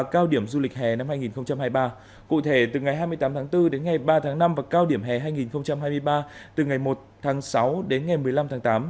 cụ thể từ ngày hai mươi tám tháng bốn đến ngày ba tháng năm và cao điểm hè hai nghìn hai mươi ba từ ngày một tháng sáu đến ngày một mươi năm tháng tám